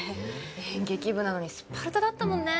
演劇部なのにスパルタだったもんね。